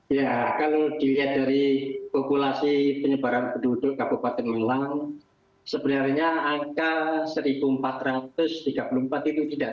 ya kalau dilihat dari populasi penyebaran penduduk kabupaten malang sebenarnya angka satu empat ratus tiga puluh empat itu tidak